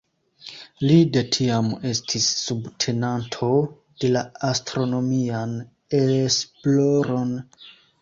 Li de tiam estis subtenanto de la astronomian esploron.